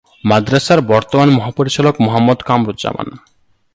মাদ্রাসার বর্তমান মহাপরিচালক মুহাম্মদ কামরুজ্জামান।